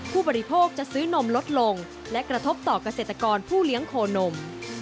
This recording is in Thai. ผู้บริโภคจะซื้อนมลดลงและกระทบต่อเกษตรกรผู้เลี้ยงโคนม